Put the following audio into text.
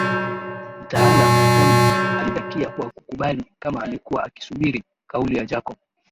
Mtaalam wa ufundi alidakia kwa kukubali kama alikuwa akisubiri kauli ya Jacob